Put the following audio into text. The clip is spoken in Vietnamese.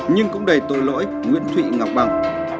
nhưng cũng đầy tội lỗi nguyễn thụy ngọc bang